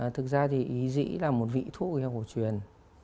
thực ra thì ý dĩ là một vị thuốc của hồ chuyền